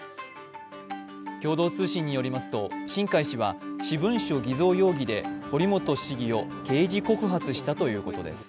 共同通信によりますと、新開氏は私文書偽造容疑で堀本市議を刑事告発したということです。